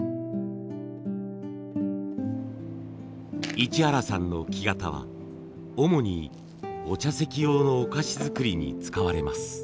市原さんの木型は主にお茶席用のお菓子作りに使われます。